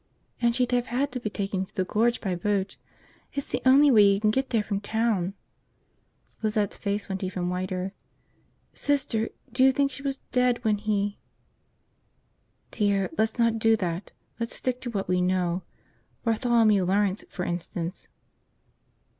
"And she'd have had to be taken to the Gorge by boat. It's the only way you can get there from town." Lizette's face went even whiter. "Sister, do you think she was dead when he ..." "Dear, let's not do that, let's stick to what we know. Bartholomew Lawrence, for instance."